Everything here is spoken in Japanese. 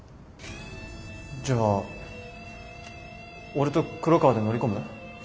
じゃあ俺と黒川で乗り込む？